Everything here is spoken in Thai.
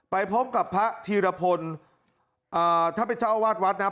ไปพบกับพระธีรพลท่านเป็นเจ้าวาดวัดนะ